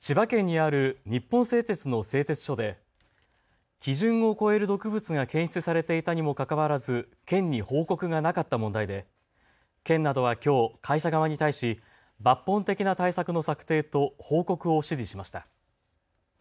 千葉県にある日本製鉄の製鉄所で基準を超える毒物が検出されていたにもかかわらず県に報告がなかった問題で県などはきょう会社側に対し抜本的な対策の策定と報告を指示しました。